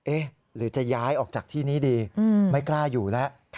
หรือจะย้ายออกจากที่นี้ดีไม่กล้าอยู่แล้ว